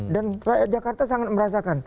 dan rakyat jakarta sangat merasakan